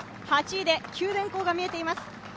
８位で九電工が見えています。